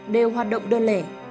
đều hoạt động đơn lể